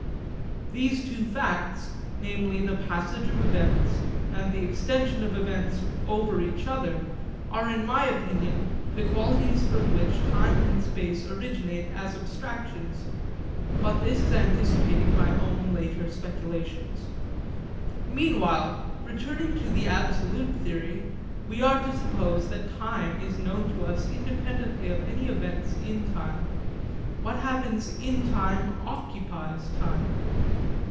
These two facts, namely the passage of events and the extension of events over each other, are in my opinion the qualities from which time and space originate as abstractions. But this is anticipating my own later speculations. Meanwhile, returning to the absolute theory, we are to suppose that time is known to us independently of any events in time. What happens in time occupies time.